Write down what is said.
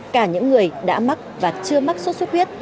cả những người đã mắc và chưa mắc suốt suốt huyết